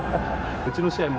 うちの試合も。